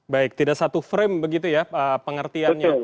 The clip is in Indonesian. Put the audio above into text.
baik tidak satu frame begitu ya pengertiannya